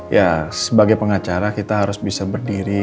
ya sebagai pengacara kita harus bisa berdiri